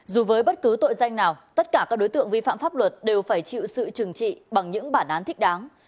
dù với bất cứ tội danh nào tất cả các đối tượng vi phạm pháp luật đều phải chịu sự trừng trị bằng những bản án thích đáng